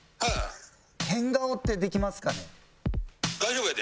変顔ってできますかね？